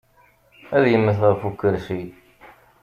Ad yemmet ɣef ukursi.